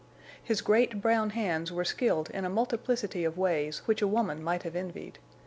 His great, brown hands were skilled in a multiplicity of ways which a woman might have envied.